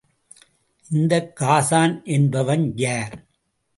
இந்த ஹாஸான் என்பவன் யார்?